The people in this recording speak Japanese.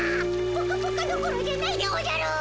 ポカポカどころじゃないでおじゃる！